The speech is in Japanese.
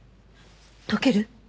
解ける？